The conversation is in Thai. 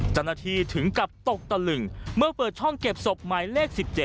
เจ้าหน้าที่ถึงกับตกตะลึงเมื่อเปิดช่องเก็บศพหมายเลข๑๗